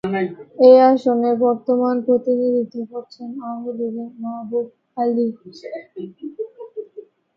এ আসনের বর্তমান প্রতিনিধিত্ব করছেন আওয়ামী লীগের মাহবুব আলী।